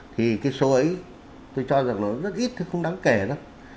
thì cái số ấy tôi cho rằng là rất ít không đáng kể lắm